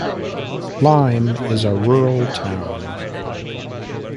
Lyme is a rural town.